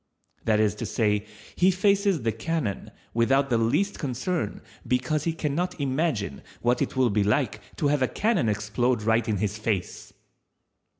That is to say, he faces the cannon without the least concern, because he can not imagine what it will be like to have a cannon explode right in his face.